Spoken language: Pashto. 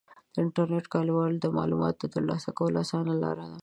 د انټرنیټ کارول د معلوماتو د ترلاسه کولو اسانه لاره ده.